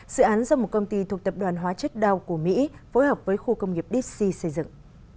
sự án do một công ty thuộc tập đoàn hóa chất đau của mỹ phối hợp với khu công nghiệp dixie xây dựng